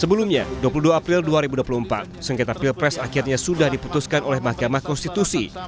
sebelumnya dua puluh dua april dua ribu dua puluh empat sengketa pilpres akhirnya sudah diputuskan oleh mahkamah konstitusi